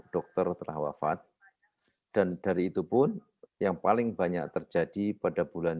dokter telah wafat dan dari itu pun yang paling banyak terjadi pada bulan